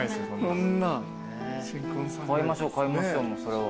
買いましょう買いましょうそれは。